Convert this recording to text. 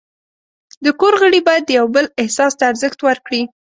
د کور غړي باید د یو بل احساس ته ارزښت ورکړي.